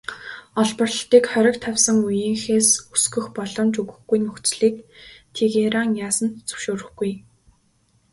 Олборлолтыг хориг тавьсан үеийнхээс өсгөх боломж өгөхгүй нөхцөлийг Тегеран яасан ч зөвшөөрөхгүй.